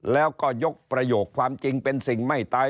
แล้วก็ยกประโยคความจริงเป็นสิ่งไม่ตาย